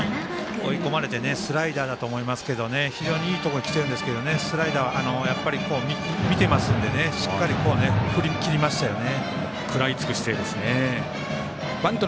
追い込まれてスライダーだと思いますけど非常にいいところにきているんですけどスライダーやっぱり見てますのでしっかりと振り切りましたよね。